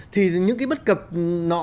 thì những cái bất cập nọ